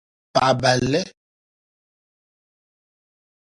paɣa balli.